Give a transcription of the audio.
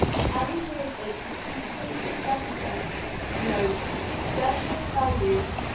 Harry made a deprecating gesture. "No, it's best I tell you.